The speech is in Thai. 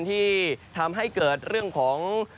ที่ทำให้เกิดเรื่องของ